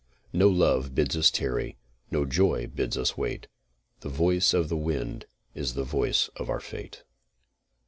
No love bids us tarry, no joy bids us wait: The voice of the wind is the voice of our fate.